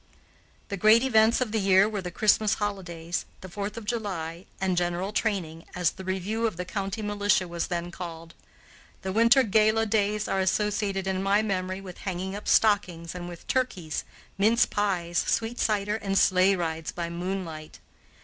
The great events of the year were the Christmas holidays, the Fourth of July, and "general training," as the review of the county militia was then called. The winter gala days are associated, in my memory, with hanging up stockings and with turkeys, mince pies, sweet cider, and sleighrides by moonlight.